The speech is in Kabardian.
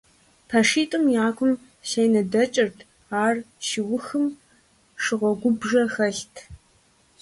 ПэшитӀым я кум сенэ дэкӀырт, ар щиухым шыгъуэгубжэ хэлът.